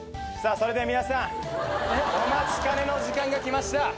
それでは皆さんお待ちかねの時間が来ました。